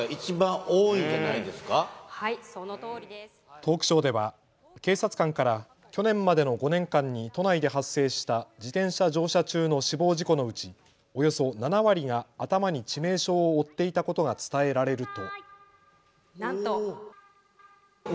トークショーでは警察官から去年までの５年間に都内で発生した自転車乗車中の死亡事故のうち、およそ７割が頭に致命傷を負っていたことが伝えられると。